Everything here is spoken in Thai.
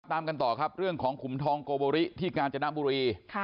ตามกันต่อครับเรื่องของขุมทองโกโบริที่กาญจนบุรี